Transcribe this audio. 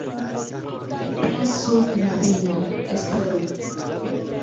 Pensu, knabino, esperu!